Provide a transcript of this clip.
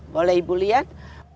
boleh ibu lihat